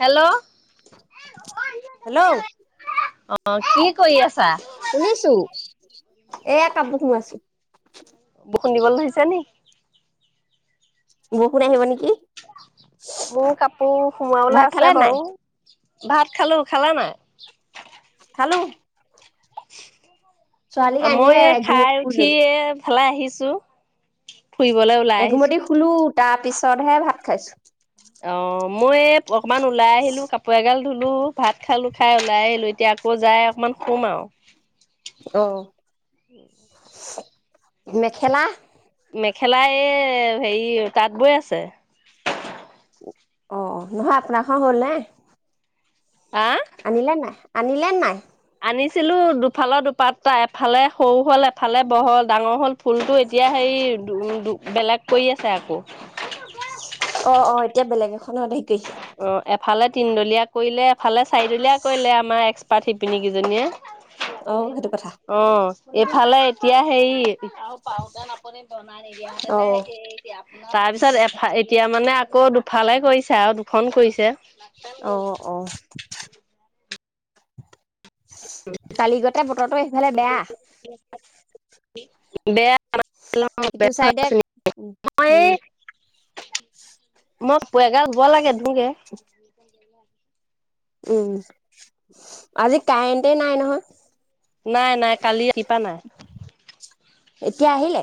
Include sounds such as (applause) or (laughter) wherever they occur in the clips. Hello hello অ কি কৰি আছে শুনিছো এয়া কাপোৰ সোমাইছোঁ (unintelligible) খুন্দিবলৈ ধৰিছে নি বৰষুণ আহিব নে কি মোৰ কাপোৰ সোমাবলৈ আছে নাই বাৰু ভাত খালো খালা নাই খালোঁ মই কান্দিয়ে এই খাই এঘুমতি শুই উঠি ললো। এ খেলাই আহিছোঁ ফুৰিবলৈ ওলাই আহিছো এঘুমতি শুলো তাৰ পিছতহে ভাত খাইছো অ মই অকমান ওলাই আহিলো কাপোৰ এগাল ধুলো ভাত খালো খাই ওলাই আহিলো এতিয়া আকৌ যাই অকমান হোম আও অহ । বিয়াখেলা । মেখেলাই হেৰি তাঁত বৈ আছে অ নহয় আপোনাৰখন হ'ল নে হা আনিলা নাই আনিলে নাই আনিছিলো দুফালৰ দুপাতটা এফালে সৰু হ'ল এফালে বহল । ডাঙৰ হ'ল ফুলটো এতিয়া হেই বেলেগ কৈ আছে আকৌ । অ অ এতিয়া বেলেগ এখনত দে কিক্ষ অ এফালে তিনডলীয়া কৰিলে ফালে চাৰিদুলীয়া কৰিলে আমাৰ এক্ পাত শিপিনী কিজিনীয়ে অ' সেইটো কথা। অ এইফালে এতিয়া হেৰি পিঠ পাদ আপুনি বনাই নিদিয়া হেতেনে অ' এ তাৰ পিছত এফ এতিয়া মানে কৌ দুফালে কৰিছা আৰু দু ফোন কৰিছে অ অ কালিগতে বতৰটো এফালে বেয়া বেয়া সেটো মই চাই দে উম এই উম মই পেগাঁ গোৱা লাগে নিকে উম আজি কাৰেণ্টেই নাই নহয় । (unintelligible) নাই নাই কালি ৰাতিপা নাই এতিয়া আহিলে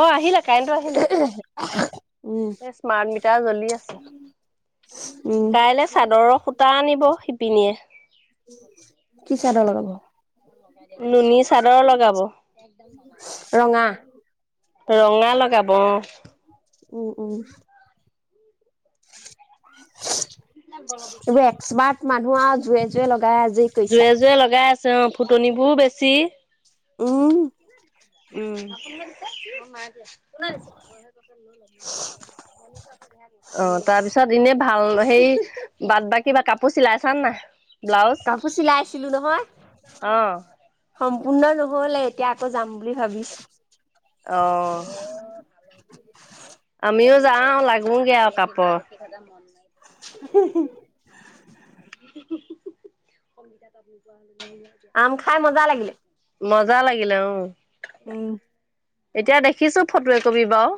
অ আহিলে কাৰেন্ট টো আহিলে । উম এই স্মাৰ্ট মিটাৰ জ্বলি আছে উম কাইলৈ চাদৰৰ সূতা আনিব শিপিনীয়ে কি চাদৰ লগাব লগত নুনী চাদৰ লগাব। (inaudible) ৰঙা লগাব অ'। উম উম। এইবোৰ এক্সপাৰ্ট মানুহ আৰু জুয়ে জুয়ে লগ আজেই কৈছে জোৰে আও। জোৰে লগাই অ' ফুটনিবোৰ বেছি। উম। উম। কোনে নিছে? অ' তাৰপিছত এনে ভাল সেই, বাট-বা কিবা কাপোৰ চিলাইছ নাই ব্লাউজ। কাপোৰ চিলাইছিলো নহয় অ'। সম্পূৰ্ণ নহ'লে। এতিয়া আকৌ যাম বুলি ভাবিছো। অ'। আমিও যাও, লাগোগে আৰু কাপোৰত (unintelligible) সংগিতা কাপোৰ পোৱা হ'লে। আম খাই মজা লাগিলে। মজা লাগিলে অ'। উম। এতিয়া দেখিছো ফটো একপি বাৰু।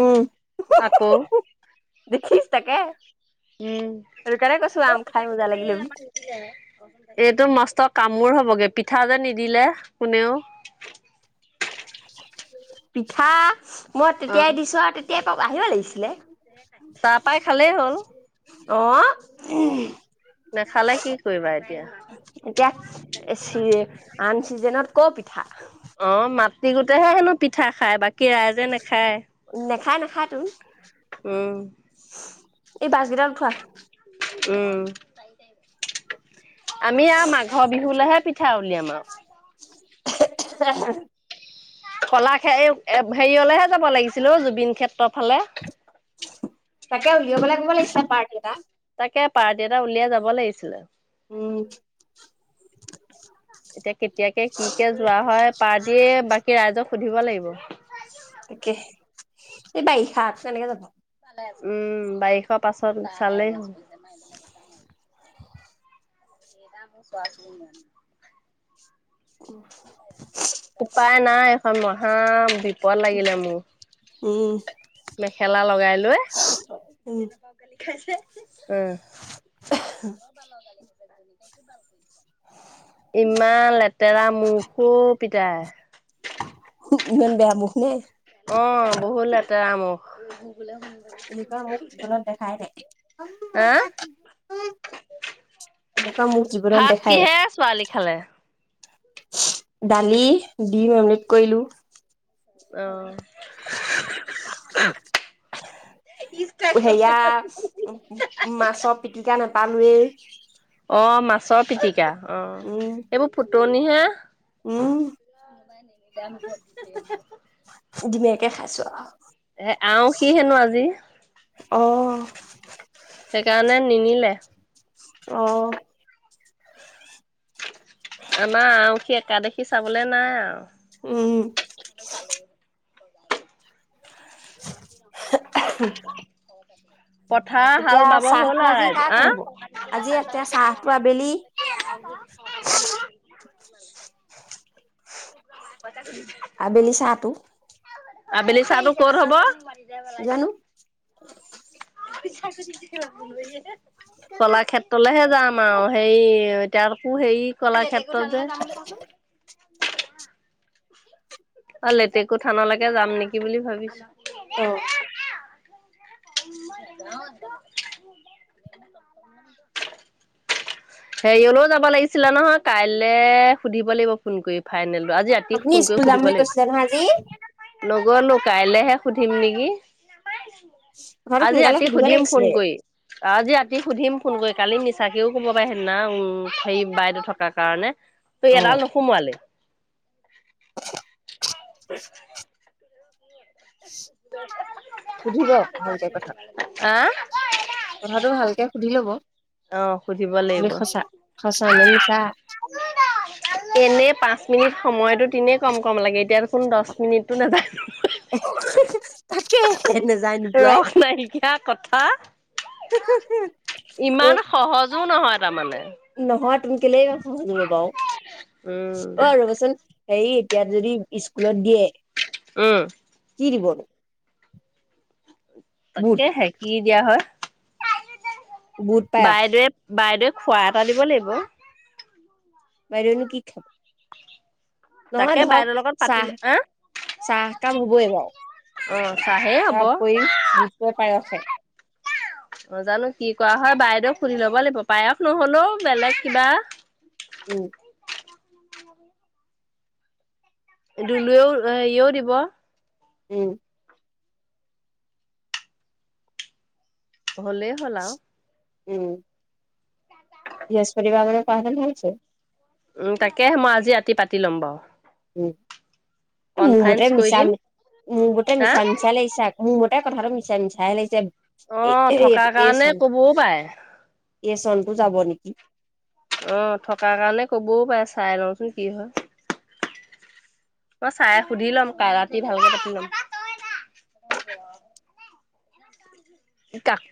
উম আকৌ। দেখিছ তাকে। উম, সেইটো কাৰণে কৈছো আম খাই মজা লাগিলে বুলি। এইটো মষ্ট কামোৰ হ'বগে পিঠা যে নিদিলে কোনেও। পিঠা। মই তেতিয়াই অ' দিছো আৰু তেতিয়াই পাব আহিব লাগিছিলে তাপাই খালেই হ'ল। অ'। নেখালে কি কৰিবা এতিয়া এতিয়া চি, আন চিজনত ক'ৰ পিঠা? অ' মাটি গোটেহে হেনো পিঠা খায়। বাকী ৰাইজে নাখায়। নেখায় নেখায়তোন। উম। এই বাছকেইডাল উঠোৱা উম আমি আৰু মাঘৰ বিহুলৈহে পিঠা উলিয়াম আৰু। এহে এহে হেম কলা ক্ষেএ হেয়লেহে হে যাব লাগিছিল অ জুবিন ক্ষেত্ৰৰ ফালে তাকে উলিয়াব লাগিছিলে পাৰ্টি এটা তাকে পাৰ্টি এটা উলিয়াই যাব লাগিছিলে উম এতিয়া কেতিয়াকে কি কে যোৱা হয় পাৰ্টি বাকী ৰাইজক সুধিব লাগিব (unintelligible) তাকে এই বাৰিষাত কেনেকে যাব উম বাৰিষাৰ পাছত চালেই হ'ল এতিয়া মোক চোৱা উপায় নাই মহা বিপ দ লাগিলে মোৰ উম। মেখেলা লগাই লৈ উম উম হ'বাল ন হ'বালাগ (unintelligible) ইমান লেতেৰা মুখ অ পিতাই ইমান বেয়া মুখ নে অ', বহুত লেতেৰা মুখ এনেকোৱা মুখ জীৱনত দেখাই নাই হা? এনেকোৱা মুখ জীৱনত ভাত দেখাই কিহে ছোৱালী খালে? নাই ডালি ডিম অমলেট কৰিলো অ (unintelligible) (unintelligible) হেয়া উ মাছৰ পিটিকা ন আলোৱে অঁ মাছৰ পিটিক পিতিকা অ উম এইবোৰ ফুটনি হে উম (unintelligible) ধুনীয়াকে খাইছো আৰু এ আও সি হেনো আজি অ' সেইকাৰণে নিনিলে অহ আমাৰ আৰু সেই একাডখি চাবলে নাই আও উম (unintelligible) হে এ হে এহে ত পথাৰ হাল বাব হ'ল আৰু আজি ৰাইজ কাৰ আ ঘৰত হ'ব? আজি এতিয়া চাহটো আবেলি । (unintelligible) (unintelligible) পত ক আবেলি চাহটো আবেলি চাহটো কত হব । দেব লাগি য উ । পিছা কৰি এহে কলা ক্ষেত্ৰলেহে যাওঁ ম সেই তাৰকো সেই কলা ক্ষেত্ৰ যে । উ অ লেতেকো থানা লাগে ে যাম নেকি বুলি ভাবিছো নেদেযে অ হযা আ উমম মই অঅমম হেৰিয়লেও যাব লাগিছিলা নহয় কাযলে সুধিব লাগিব ফোন কৰি ফাইনেল আজি ৰাতি আপুনি ফোনকৈ স্কুল যাম সুধিব বুলি লাগিব কৈছিলে নহয় আজি লগৰ লগোক কাইলেহে সুধিম নেকি? কথাটো আজি সোনকালে ৰাতি সুধিব সুধিম ফোন লাগিছিলে কৰি আজি ৰাতি সুধিম ফোন কৰি কালি নিচাকেও কব । াই সেনাা উম সেই বাইদউ থকাৰ কাৰণে ত অ এয়ৰাাল নু সমোৱালে হেই তোৰ মাৰে সুধিব ভালকে কথাটো আহ কথাটো ভালকে সুধি লব অ সুধিব বুলি লাগিব সঁচা সঁচা নে নি চাহ এনে পাচ মিনিট সময়তো তিনে কম কম লাগে এতিয়া কোন দছ মিনিটো নাযায় তাকে নেযায় নোপোৱাই ৰস নাইকিয়া কথা ইমান সহজো নহয়। তাৰ মানে নহত তুমি কেলেই। (unintelligible) উম ৰবাচোন সেই এতিয়া যদি স্কুলত দিয়ে। উম। কি দিবনো বুট তাকে হে কি দিয়া হয় (unintelligible) বুট পায়স বাইদেৱে বাইদেউৱ খোৱা এটা দিব লাগিব। বাইদেউ নো কি খাব নহয় তাকে ধৰক বাইদেউৰ লগত পাতিলো চাহ, আহ চাহ কাপ হ'বই বাও অ চাহেই হ'ব তাৰোপৰি বুটে পায়সে। নজানো কি কৰা হয় বাইদেউ সুধি ল'ব লাগিব পায়স নহলেও বেলেগ কিবা! উম দুলুৱেও হেৰিও দিব। উম হলেই হ'ল আৰু উম বৃহস্পতিবাৰ মানে কৰা হেতেন ভাল আছিল । উম তাকেহে মই আজি ৰাতি পাতি ল'ম বাওঁ। উ মোৰ মতে কৰি মিছা, দিম মোৰ মতে হা মিছা মিছা লাগিছে মোৰ মতে। এ কথাটো মিছা মিছাইে লাগিছে। অ এই এই থকাৰ কাৰণে কবও পাৰে। এ চনটো যাব নেকি! অ থকাৰ কাৰণে কবও পাৰে চাই লওঁচোন কি হয়। অ চাই সুধি লম ৰাতি ভালকে পাতি লম।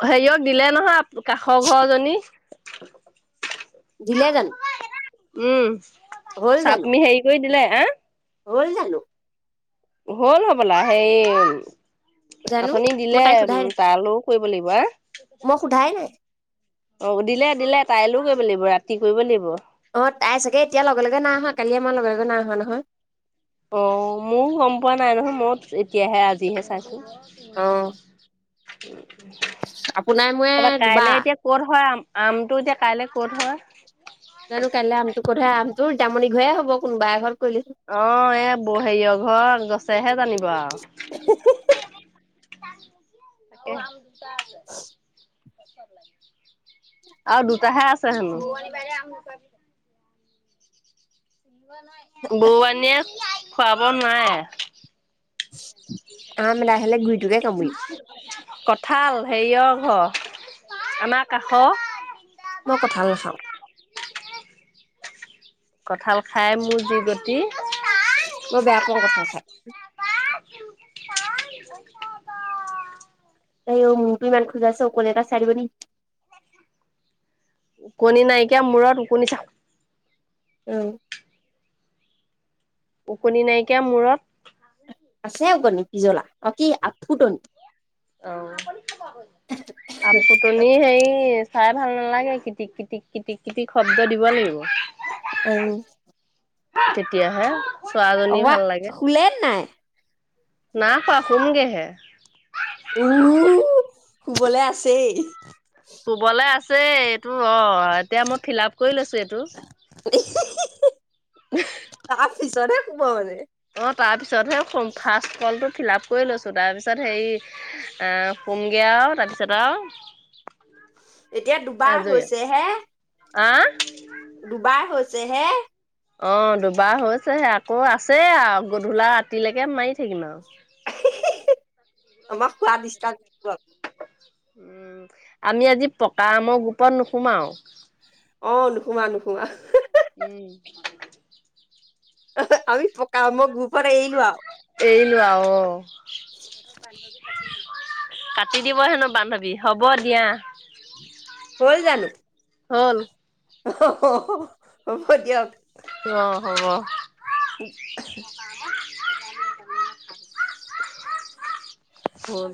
হেৰিয়ক দিলে নহয় কাষৰ ঘৰজনী। দিলে জানো উম হ'ল জানো চাটমি হেৰি কৰি দিলে। (unintelligible) হ'ল জানো? হ'ল হ'বলা সেই জানো অথনি মই দিলে তাইক সোধাই উম নাই তালৈও কৰিব লাগিব, মই সোধাই নাই দিলে দিলে তাইলৈও কৰিব কৰিব লাগিব ৰাতি কৰিব লাগিব। অ তাই চাগে এতিয়া লগে লগে নাই আহা। কালিয়ে মই লগৰ এজনে নাই অহা নহয়। অ মোও গম পোৱা নাই নহয় মোও এতিয়াহে আজিহে চাইছো। অ (unintelligible) (inaudible) আপোনাৰ মই তাৰপৰা কাইলে দুবা এতিয়া ক'ত হয় আম আমটো এতিয়া কাইলৈ ক'ত হয় জানু কাইলে আমটো কত হয় আম তোৰ তামনি ঘৰেয় হ'ব কোনোবাই এ ঘৰ আহ এই ব হেৰিয়ৰ ঘৰ গছেহে জানিব আৰু তাক উম আৰু দুটা হে আছে হেনো বৰুৱানীয়ে খোৱাব নোৱাৰে আম আহে ঘূৰিটোকে তমিল কঁঠাল হেৰিয়ৰ ঘৰ আমাৰ কাষ মই কঠাল নাখাওঁ কঠাল খাই মোৰ জি গতি বৰ বেয়া পোৱাৰ কথাও খাই (unintelligible) ত মোৰটো ইমান খোজা আছ কলে তটা চাাৰিবনি ওকণি নাইকিয়া মূৰত ওকণি যা উম উওকণি নাইকিয়া মূৰত আছে উওকনি পিজ্বলা অ আফুটনি হে খাই ভাল নালাগে কটিক কটিক কটিক কতি শব্দ দিব লাগিব অ তেতিয় হে অকবা শুলে নাই নাপা সুম গেহে উ শুবলৈ আছেই শুবলৈ আছে ছে এইটো অ এতিয়া মই ফিল আপ কৰি লৈছো এইটো খ বে পাত পিছতহে ফাৰ্ষ্ কলটো ফিল আপ কৰি লৈছোঁ তাৰপিছত হেৰি কোমগৈ আৰু তাৰপিছত আৰু এতিয়া দুবাৰ আজৰি। হৈছে হে আহ দুবাৰ হৈছে হে অ দুবাৰ হৈছেহে আকৌ আছে আৰু গধূলা ৰাতিলৈকে মাৰি থাকিম আৰু আমাক খোৱা দিষ্টাক উম আমি আজি পকা আমৰ গোপত নোসোমাও অ নুসোমা নুসোমা উম আমি প এইলো আও অ কাটি দিব হেনো বান্ধৱী হ'ব দিয়া হ'ল জানো হ'ল । অহ হ অ হ'ব দিয়ক অ হব উ (unintelligible) (unintelligible) ফুল